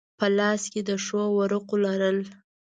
په لاس کې د ښو ورقو لرل.